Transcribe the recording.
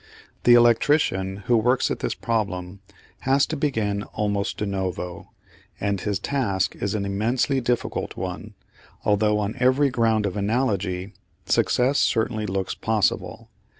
The electrician who works at this problem has to begin almost de novo, and his task is an immensely difficult one, although on every ground of analogy success certainly looks possible.